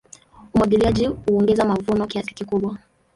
Umwagiliaji huongeza mavuno kiasi kikubwa.